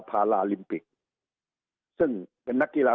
สุดท้ายก็ต้านไม่อยู่